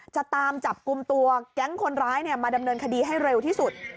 จะตามจับกลุ่มตัวแก๊งคนร้ายมาดำเนินคดีให้เร็วที่สุด